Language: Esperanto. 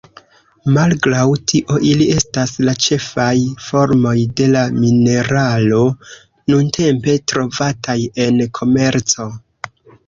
Malgraŭ tio, ili estas la ĉefaj formoj de la mineralo nuntempe trovataj en komerco.